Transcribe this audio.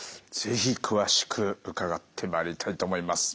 是非詳しく伺ってまいりたいと思います。